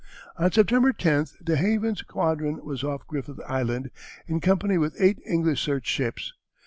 On September 10th DeHaven's squadron was off Griffith Island in company with eight English search ships.